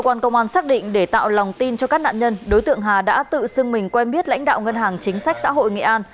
cơ quan công an xác định để tạo lòng tin cho các nạn nhân đối tượng hà đã tự xưng mình quen biết lãnh đạo ngân hàng chính sách xã hội nghệ an